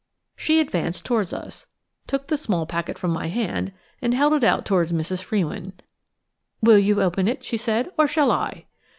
She advanced towards us, took the small packet from my hands, and held it out towards Mrs. Frewin. "Will you open it?" she said, "or shall I?"